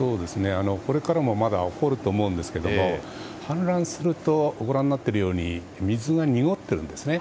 これからもまだ起こると思いますが氾濫するとご覧になっているように水が濁っているんですね。